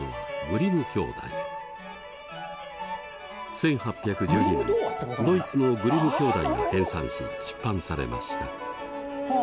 １８１２年ドイツのグリム兄弟が編さんし出版されました。